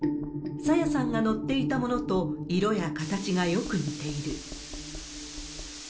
朝芽さんが乗っていたものと、色や形がよく似ている。